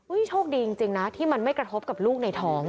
โชคดีจริงนะที่มันไม่กระทบกับลูกในท้อง